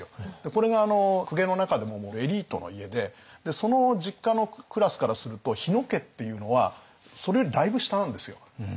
これが公家の中でももうエリートの家でその実家のクラスからすると日野家っていうのはそれよりだいぶ下なんですよ。